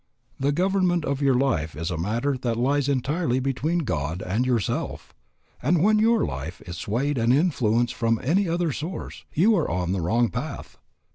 The government of your life is a matter that lies entirely between God and yourself, and when your life is swayed and influenced from any other source you are on the wrong path."